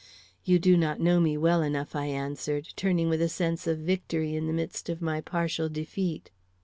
"You do not know me well enough," I answered, turning with a sense of victory in the midst of my partial defeat.